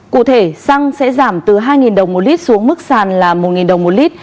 cụ thể xăng sẽ giảm từ hai đồng một lít xuống mức sàn là một đồng một lít